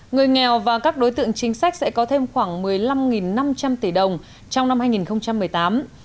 người nghèo và các đối tượng chính sách sẽ có thêm khoảng một mươi năm năm trăm linh tỷ đồng trong năm hai nghìn một mươi tám